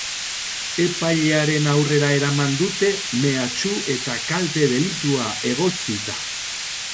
Epailearen aurrera eraman dute, mehatxu eta kalte delitua egotzita.